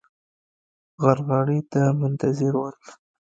غرغړې ته منتظر ول.